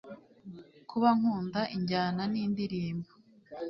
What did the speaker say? kuba nkunda injyana nindirimbo